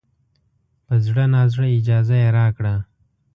په زړه نازړه اجازه یې راکړه.